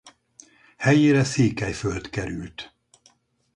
Helyére Székelyföld került.